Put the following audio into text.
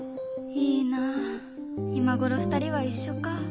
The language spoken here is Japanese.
いいなぁ今頃２人は一緒か。